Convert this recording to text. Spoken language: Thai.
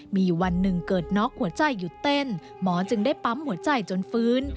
มีวันหนึ่งเกิดน็อกหัวใจหยุดเต้นหมอจึงได้ปั๊มหัวใจจนฟื้น